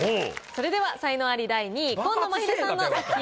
それでは才能アリ第２位紺野まひるさんの作品を。